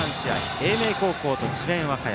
英明高校と智弁和歌山。